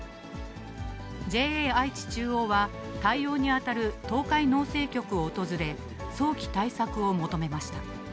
ＪＡあいち中央は、対応に当たる東海農政局を訪れ、早期対策を求めました。